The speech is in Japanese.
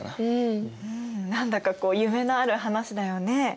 何だかこう夢のある話だよね。